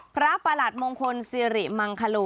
พระประหลัดมงคลซีริมังคาโล